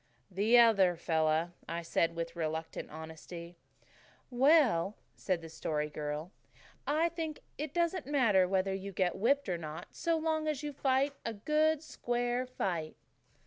"The other fellow," I said with reluctant honesty. "Well," said the Story Girl, "I think it doesn't matter whether you get whipped or not so long as you fight a good, square fight."